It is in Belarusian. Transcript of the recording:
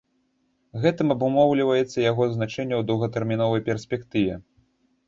Гэтым абумоўлівацца яго значэнне ў доўгатэрміновай перспектыве.